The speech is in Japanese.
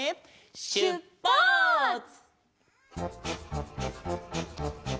しゅっぱつ！